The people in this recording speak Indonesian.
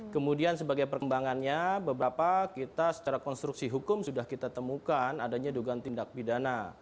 kemudian sebagai perkembangannya beberapa kita secara konstruksi hukum sudah kita temukan adanya dugaan tindak pidana